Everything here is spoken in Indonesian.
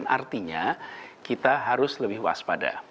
artinya kita harus lebih waspada